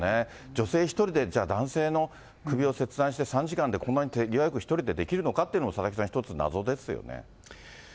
女性１人で、じゃあ男性の首を切断して３時間でこんなに手際よく１人でできるのかっていうのも、佐々木さん、一つ謎ですよね。